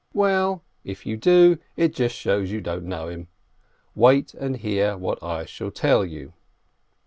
Well, if you do, it just shows you didn't know him! Wait and hear what I shall tell you.